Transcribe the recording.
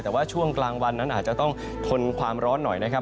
แต่ว่าช่วงกลางวันนั้นอาจจะต้องทนความร้อนหน่อยนะครับ